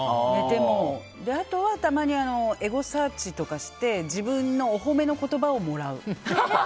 あとはたまにエゴサーチとかして自分のお褒めの言葉をもらう。